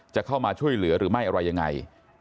จะเข้ามาช่วยเหลือหรือไม่อะไรยังไง